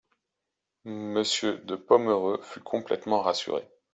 Monsieur de Pomereux fut complètement rassuré.